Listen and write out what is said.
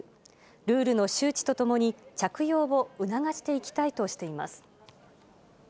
ルールの周知とともに、着用を促していきたいとしています。